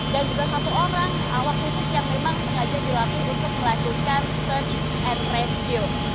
dan juga satu orang awak khusus yang memang sengaja dilatih untuk melakukan search and rescue